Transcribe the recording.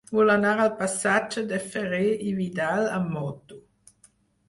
Vull anar al passatge de Ferrer i Vidal amb moto.